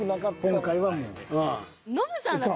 今回はもう。